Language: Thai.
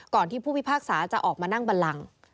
ที่ผู้พิพากษาจะออกมานั่งบันลัง